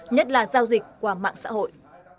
nhất là giao dịch qua mạng xã hội